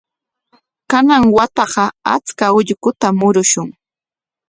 Kanan wataqa achka ullukutam murushun.